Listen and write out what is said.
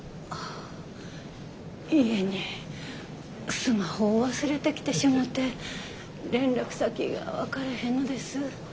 家にスマホを忘れてきてしもて連絡先が分かれへんのです。